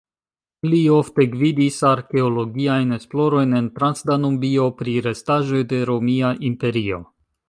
Li ofte gvidis arkeologiajn esplorojn en Transdanubio pri restaĵoj de Romia Imperio.